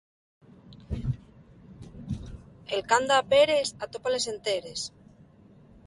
El qu'anda a peres, atópales enteres.